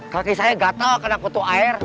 kaki saya gatel karena kutu air